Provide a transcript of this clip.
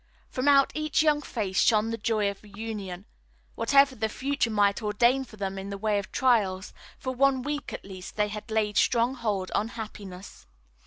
From out each young face shone the joy of reunion. Whatever the future might ordain for them in the way of trials, for one week at least they had laid strong hold on happiness.